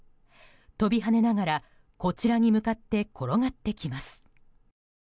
飛び跳ねながら、こちらに向かって転がってきます。